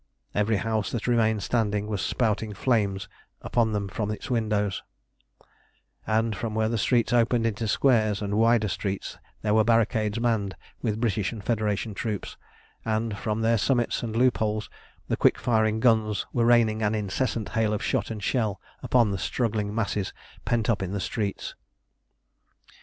Every house that remained standing was spouting flames upon them from its windows; and where the streets opened into squares and wider streets there were barricades manned with British and Federation troops, and from their summits and loopholes the quick firing guns were raining an incessant hail of shot and shell upon the struggling masses pent up in the streets.